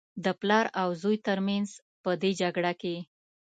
د پلار او زوى تر منځ په دې جګړه کې.